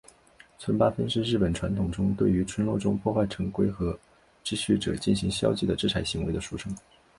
村八分是日本传统中对于村落中破坏成规和秩序者进行消极的制裁行为的俗称。